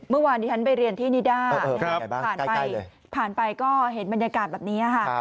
เมื่อวานที่ฉันไปเรียนที่นิด้าผ่านไปผ่านไปก็เห็นบรรยากาศแบบนี้ค่ะ